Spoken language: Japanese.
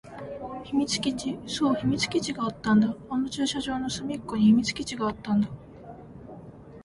秘密基地。そう、秘密基地があったんだ。あの駐車場の隅っこに秘密基地があったんだ。